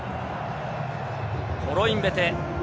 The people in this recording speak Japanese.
コロインベテ。